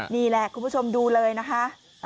นี่แหละคุณผู้ชมดูเลยนะคะ